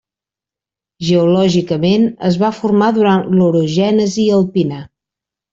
Geològicament es va formar durant l'orogènesi alpina.